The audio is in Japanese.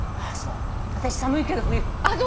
私寒いけど冬水。